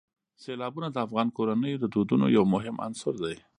سیلابونه د افغان کورنیو د دودونو یو مهم عنصر دی.